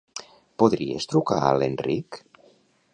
Podries trucar a l'Enric?